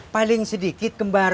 paling sedikit kembar geger